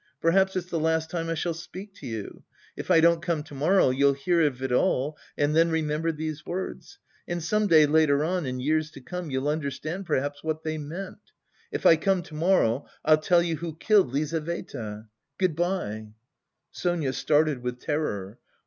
Perhaps it's the last time I shall speak to you. If I don't come to morrow, you'll hear of it all, and then remember these words. And some day later on, in years to come, you'll understand perhaps what they meant. If I come to morrow, I'll tell you who killed Lizaveta.... Good bye." Sonia started with terror.